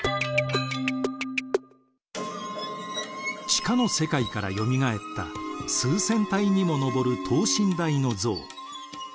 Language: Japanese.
地下の世界からよみがえった数千体にも上る等身大の像。